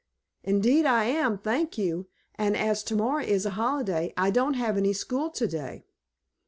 "Indeed I am, thank you. And as tomorrow is a holiday I don't have any school today."